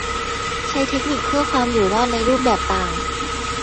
ใช้เทคนิคเพื่อความอยู่รอดในรูปแบบต่าง